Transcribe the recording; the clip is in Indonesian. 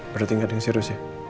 berarti gak ada yang serius ya